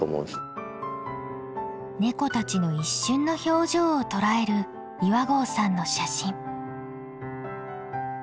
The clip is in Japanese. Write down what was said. ネコたちの一瞬の表情を捉える岩合さんの写真。